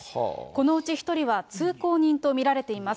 このうち１人は通行人と見られています。